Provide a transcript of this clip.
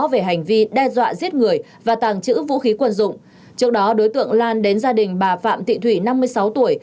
về hành vi đe dọa giết người và tàng trữ vũ khí quần dụng trước đó đối tượng lan đến gia đình bà phạm thị thủy năm mươi sáu tuổi